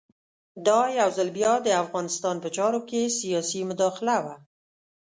دا یو ځل بیا د افغانستان په چارو کې سیاسي مداخله وه.